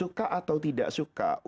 untuk mencapai kelas yang lebih tinggi